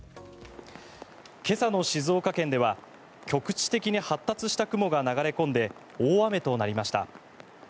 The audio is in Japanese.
今朝の静岡県では局地的に発達した雲が流れ込んで大雨となりました。